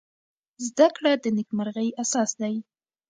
زده کړه د نېکمرغۍ اساس دی.